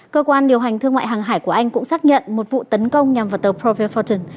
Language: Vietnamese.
cơ quan điều hành thương mại hàng hải của anh cũng xác nhận một vụ tấn công nhằm vào tàu provi foten